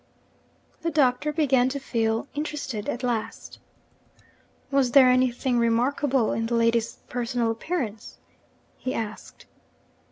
The Doctor began to feel interested at last. 'Was there anything remarkable in the lady's personal appearance?' he asked.